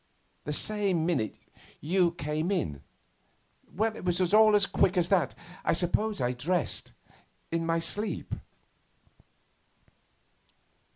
The same minute you came in. It was all as quick as that. I suppose I dressed in my sleep.